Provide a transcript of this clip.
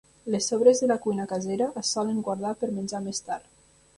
Les sobres de la cuina casera es solen guardar per menjar més tard.